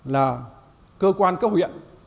là cơ quan các huyện